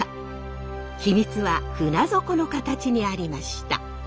秘密は船底の形にありました。